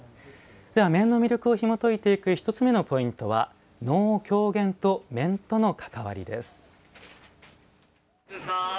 では、面の魅力をひもといていく１つ目のポイントは「能・狂言と面との関わり」です。